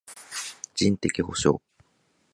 人的補償